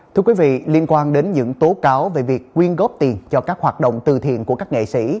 thưa quý vị liên quan đến những tố cáo về việc quyên góp tiền cho các hoạt động từ thiện của các nghệ sĩ